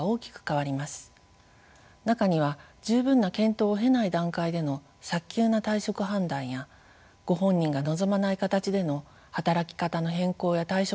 中には十分な検討を経ない段階での早急な退職判断やご本人が望まない形での働き方の変更や退職につながるケースもあります。